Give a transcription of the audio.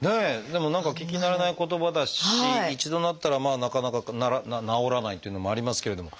でも何か聞き慣れない言葉だし一度なったらなかなか治らないっていうのもありますけれども。